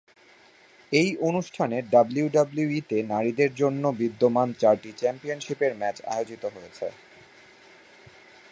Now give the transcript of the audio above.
এই অনুষ্ঠানে ডাব্লিউডাব্লিউইতে নারীদের জন্য বিদ্যমান চারটি চ্যাম্পিয়নশিপের ম্যাচ আয়োজিত হয়েছে।